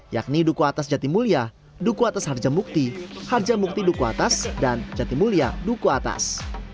yakni duku atas jati mulia duku atas harjamukti harjamukti duku atas dan jatimulya duku atas